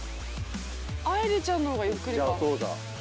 あいりちゃんのほうがゆっくりか。